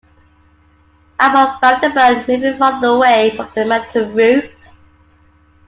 The album found the band moving farther away from their metal roots.